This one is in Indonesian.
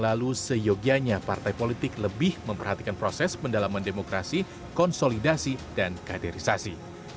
lalu seyogianya partai politik lebih memperhatikan proses pendalaman demokrasi konsolidasi dan kaderisasi